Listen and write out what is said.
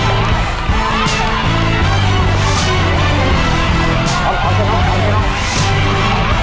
เอาเขาเท่านั้นเอาเขาเท่านั้น